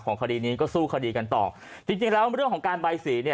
คดีนี้ก็สู้คดีกันต่อจริงจริงแล้วเรื่องของการใบสีเนี่ย